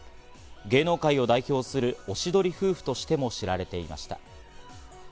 芸能界を代表する、おしどり夫婦としても知られていました。